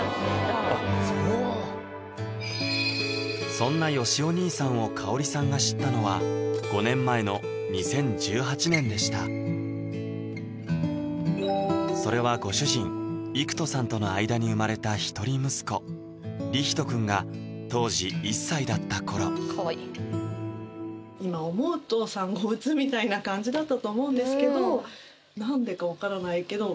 そんなよしお兄さんを香里さんが知ったのは５年前の２０１８年でしたそれはご主人育人さんとの間に生まれた一人息子・りひと君が当時１歳だった頃今思うともういっかそれを見てっていう感じですね